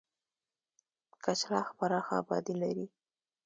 کچلاغ پراخه آبادي لري.